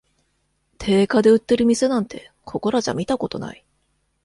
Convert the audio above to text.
定価で売ってる店なんて、ここらじゃ見たことない